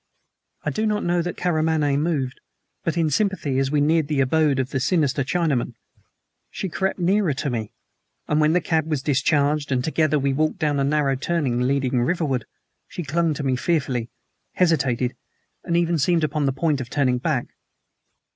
I do not know that Karamaneh moved; but in sympathy, as we neared the abode of the sinister Chinaman, she crept nearer to me, and when the cab was discharged, and together we walked down a narrow turning leading riverward, she clung to me fearfully, hesitated, and even seemed upon the point of turning back.